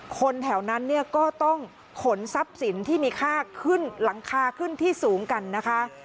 คนแถวนั้นเนี่ยก็ต้องขนทรัพย์สินที่มีค่าขึ้นหลังคาขึ้นที่สูงกันนะคะ